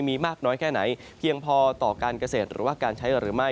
มีมากน้อยแค่ไหนเพียงพอต่อการเกษตรหรือว่าการใช้หรือไม่